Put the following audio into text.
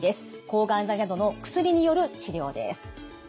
抗がん剤などの薬による治療です。